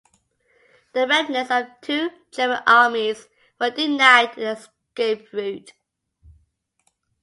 The remnants of two German armies were denied an escape route.